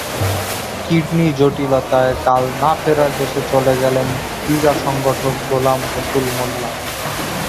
Kidney জটিলতায় কাল না-ফেরার দেশে চলে গেলেন ক্রীড়া সংগঠক গোলাম রসুল মোল্লা।